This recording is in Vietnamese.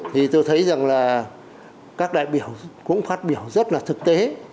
thì tôi thấy rằng là các đại biểu cũng phát biểu rất là thực tế